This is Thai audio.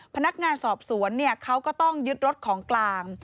พนักงานสอบสวนเขาก็ต้องยึดรถของกลาง